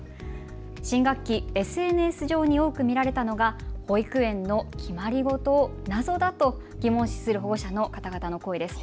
新学期、ＳＮＳ上に多く見られたのが保育園の決まり事を謎だと疑問視する保護者の方々の声です。